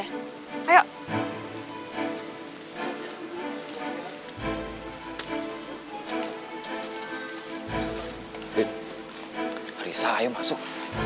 hai rizal masuk